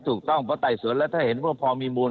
ถูกต้องเพราะไต่สวนแล้วถ้าเห็นว่าพอมีมูล